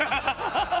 ハハハ！